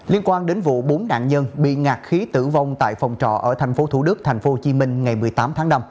liên quan đến vụ bốn nạn nhân bị ngạc khí tử vong tại phòng trọ ở tp thủ đức tp hcm ngày một mươi tám tháng năm